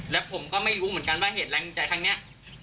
แล้วผมก็ไม่รู้เหมือนกันว่าเหตุแรงใจครั้งนี้